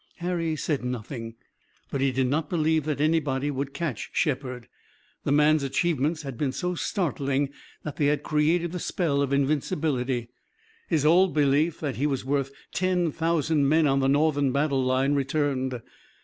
Harry said nothing, but he did not believe that anybody would catch Shepard. The man's achievements had been so startling that they had created the spell of invincibility. His old belief that he was worth ten thousand men on the Northern battle line returned.